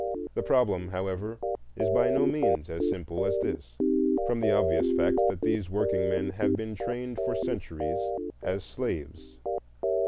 The problem, however, is by no means as simple as this, from the obvious fact that these workingmen have been trained for centuries as slaves.